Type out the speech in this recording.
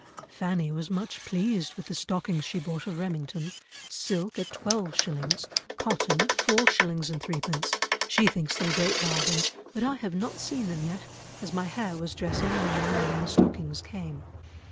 "Fanny was much pleased with the stockings she bought of Remmington, silk at twelve shillings, cotton at four shillings and threepence; she thinks them great bargains, but I have not seen them yet, as my hair was dressing when the man and the stockings came."